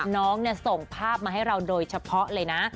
น้องส่งภาพมาให้เราโดยเฉพาะเลยนะ